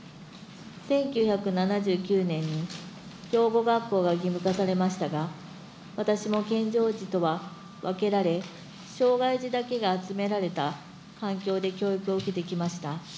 １９７９年に養護学校が義務化されましたが、私も健常児とは分けられ、障害児だけが集められた環境で教育を受けてきました。